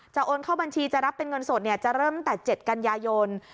โอนเข้าบัญชีจะรับเป็นเงินสดจะเริ่มตั้งแต่๗กันยายน